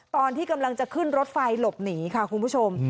ตอนที่กำลังจะขึ้นรถไฟหลบหนีค่ะคุณผู้ชม